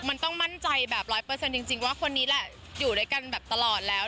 มันต้องมั่นใจแบบร้อยเปอร์เซ็นต์จริงว่าคนนี้แหละอยู่ด้วยกันแบบตลอดแล้ว